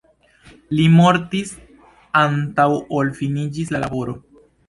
Li mortis antaŭ ol finiĝis la laboro.